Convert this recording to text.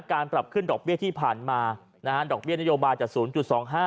การปรับขึ้นดอกเบี้ยที่ผ่านมานะฮะดอกเบี้นโยบายจะ๐๒๕